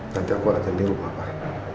nanti aku akan latihan di rumah pak